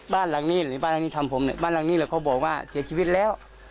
บ้านหลังนี้หรือบ้านหลังนี้ทำผมเนี่ยบ้านหลังนี้แหละเขาบอกว่าเสียชีวิตแล้ว